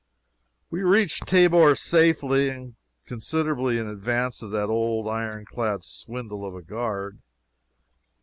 We reached Tabor safely, and considerably in advance of that old iron clad swindle of a guard.